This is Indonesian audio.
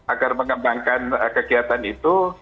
agar mengembangkan kegiatan itu